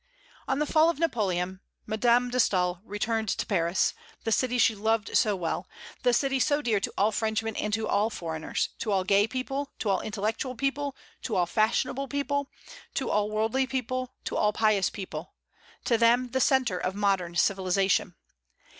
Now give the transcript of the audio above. On the fall of Napoleon, Madame de Staël returned to Paris, the city she loved so well; the city so dear to all Frenchmen and to all foreigners, to all gay people, to all intellectual people, to all fashionable people, to all worldly people, to all pious people, to them the centre of modern civilization.